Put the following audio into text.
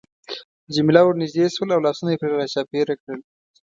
جميله ورنژدې شول او لاسونه يې پرې را چاپېره کړل.